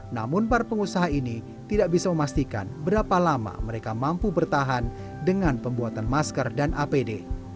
namun para pengusaha ini tidak bisa memastikan berapa lama mereka mampu bertahan dengan pembuatan masker dan apd